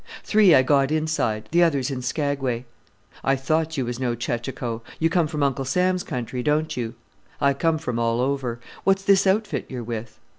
"Three I got inside; the others in Skagway." "I thought you was no chechacho. You come from Uncle Sam's country, don't you?" "I come from all over: what's this outfit you're with?"